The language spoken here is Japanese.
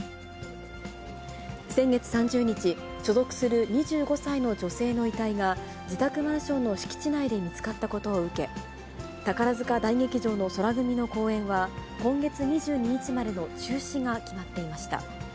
先月３０日、所属する２５歳の女性の遺体が自宅マンションの敷地内で見つかったことを受け、宝塚大劇場の宙組の公演は、今月２２日までの中止が決まっていました。